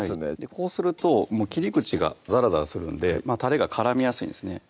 こうすると切り口がザラザラするんでたれが絡みやすいんですね